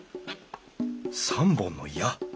３本の矢。